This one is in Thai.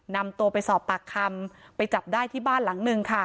นำตัวไปสอบปากคำไปจับได้ที่บ้านหลังนึงค่ะ